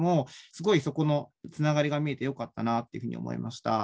すごいそこのつながりが見えてよかったなというふうに思いました。